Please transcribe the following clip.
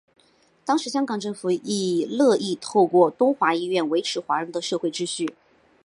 当时香港政府亦乐意透过东华医院维持华人的社会秩序。